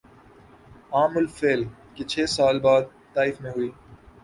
عام الفیل کے چھ سال بعد طائف میں ہوئی